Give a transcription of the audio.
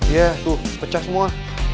iya tuh pecah semua